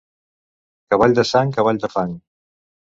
Cavall de sang, cavall de fang.